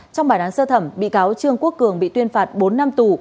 trong bài đoán sơ thẩm bị cáo trương quốc cường bị tuyên phạt bốn năm tù